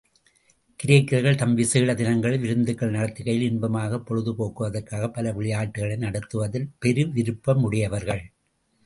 கிரேக்கர் தம் விசேட தினங்களில் விருந்துகள் நடத்துகையில் இன்பமாகப் பொழுது போக்குவதற்குப் பல விளையாட்டுக்களை நடத்துவதில் பெரு விருப்பமுடையவர்கள்.